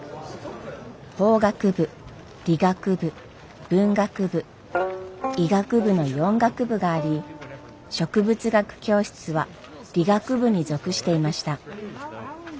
法学部理学部文学部医学部の４学部があり植物学教室は理学部に属していました。